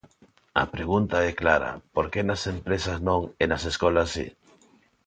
A pregunta é clara: ¿por que nas empresas non e nas escolas si?